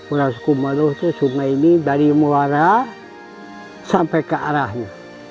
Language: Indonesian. orang suku malu itu sungai ini dari muara sampai ke arahnya